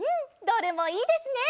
どれもいいですね！